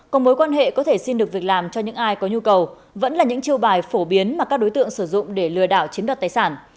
còn mối quan hệ có thể xin được việc làm cho những ai có nhu cầu vẫn là những chiêu bài phổ biến mà các đối tượng sử dụng để lừa đảo chiếm đoạt tài sản